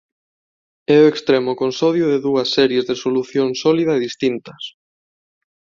É o extremo con sodio de dúas series de solución sólida distintas.